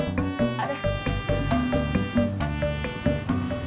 aduh aduh aduh